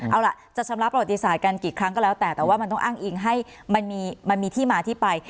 เอาล่ะจะชำระประวัติศาสตร์กันกี่ครั้งก็แล้วแต่แต่ว่ามันต้องอ้างอิงให้มันมีที่มาที่ไป